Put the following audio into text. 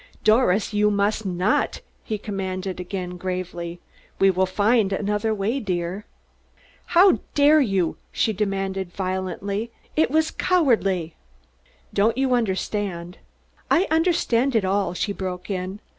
"Doris, you must not!" he commanded again gravely. "We will find another way, dear." "How dare you?" she demanded violently. "It was cowardly." "You don't understand " "I understand it all," she broke in.